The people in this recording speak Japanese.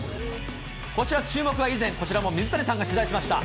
こちら、注目は以前、こちらも水谷さんが取材しました。